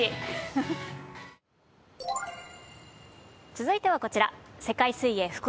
続いてはこちら。